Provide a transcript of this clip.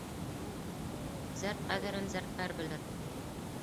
Зәр ҡәҙерен зәрҡәр белер.